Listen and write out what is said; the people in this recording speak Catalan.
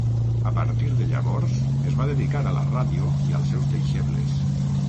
A partir de llavors es va dedicar a la ràdio i als seus deixebles.